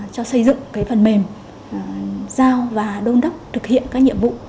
cho xây dựng cái phần mềm giao và đôn đốc thực hiện các nhiệm vụ